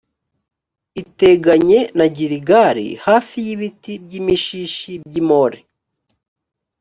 iteganye na giligali, hafi y’ibiti by’imishishi by’i more.